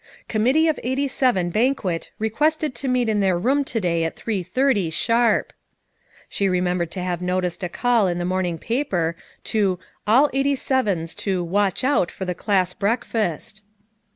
"Committee of '87 ban quet requested to meet in their room to day at three thirty, sharp I" She remembered to have noticed a call in the morning paper to "All f 87's to 'watch out' for the class break fast."